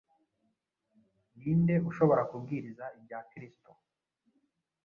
Ni nde ushobora kubwiriza ibya Kristo